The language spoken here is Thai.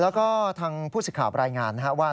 แล้วก็ทางผู้สิทธิ์ข่าวรายงานนะครับว่า